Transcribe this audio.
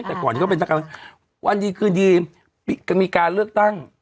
แต่ก่อนนี้ก็เป็นตกรรมวันดีคืนดีก็มีการเลือกตั้ง